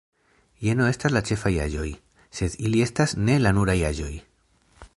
Jeno estas la ĉefaj aĵoj, sed ili estas ne la nuraj aĵoj.